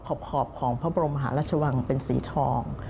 ขอบของพระบรมมหาราชวังเป็นสีทอง